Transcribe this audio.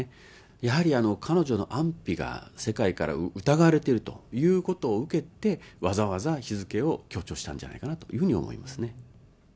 やはり彼女の安否が、世界から疑われているということを受けて、わざわざ日付を強調したのではないかなというふうに思いますね。